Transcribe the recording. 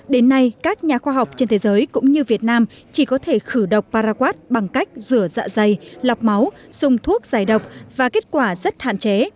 đến nay các nhà khoa học trên thế giới cũng như việt nam chỉ có thể khử độc paraquad bằng cách rửa dạ dày lọc máu dùng thuốc giải độc và kết quả rất hạn chế